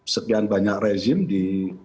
sekian banyak rezim di